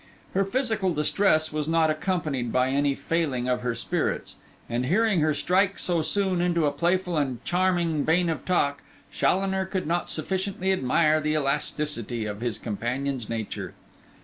Her physical distress was not accompanied by any failing of her spirits; and hearing her strike so soon into a playful and charming vein of talk, Challoner could not sufficiently admire the elasticity of his companion's nature.